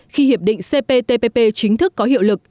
khi hiệp định cptpp chính thức có hiệu lực